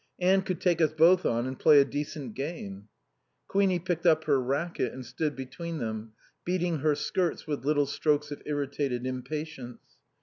Anne could take us both on and play a decent game." Queenie picked up her racquet and stood between them, beating her skirts with little strokes of irritated impatience.